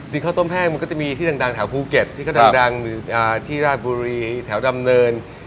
ข้าวต้มแห้งมันก็จะมีที่ดังแถวภูเก็ตที่เขาดังที่ราชบุรีแถวดำเนิน